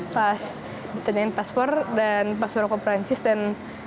pas ditanyain paspor dan paspor ke perancis dan